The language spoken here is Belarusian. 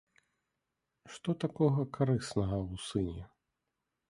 Што такога карыснага ў сыне?